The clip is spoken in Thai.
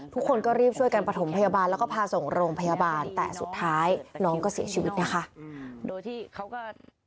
ทุกคนก็รีบช่วยกันประถมพยาบาลแล้วก็พาส่งโรงพยาบาลแต่สุดท้ายน้องก็เสียชีวิตนะคะ